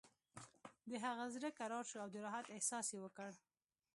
د هغه زړه کرار شو او د راحت احساس یې وکړ